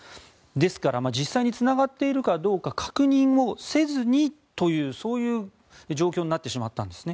ですから実際につながっているかどうか確認もせずにというそういう状況になってしまったんです。